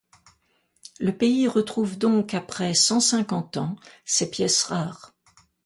Le pays retrouve donc après cent cinquante ans ses pièces rares.